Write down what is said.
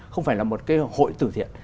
không phải là một cái hội tử thiện